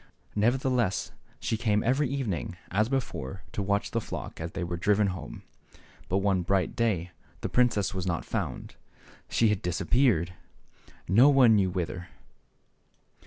Nevertheless she came every evening, as before, to watch the flock as they were driven home. But one bright day the princess was not to be found ; she had disappeared, no one knew whither.